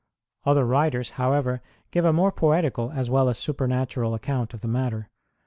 Other writers, however, give a more poetical as well as supernatural account of the matter.